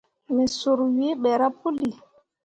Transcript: Me sur wǝǝ ɓerah puli.